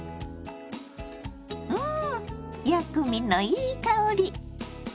ん薬味のいい香り！